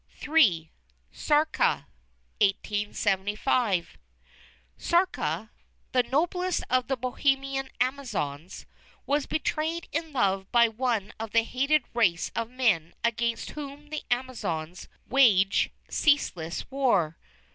III. "SÁRKA" Sárka, the "noblest of the Bohemian Amazons," was betrayed in love by one of the hated race of men against whom the Amazons wage ceaseless war.